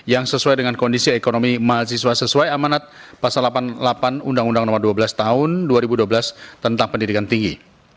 yang sesuai dengan kondisi ekonomi mahasiswa sesuai amanat pasal delapan puluh delapan undang undang nomor dua belas tahun dua ribu dua belas tentang pendidikan tinggi